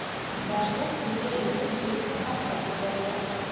Башлыҡ, өйгә инеп, өҫкө ҡатҡа күтәрелә.